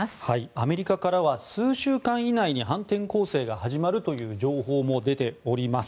アメリカからは数週間以内に反転攻勢が始まるという情報も出ております。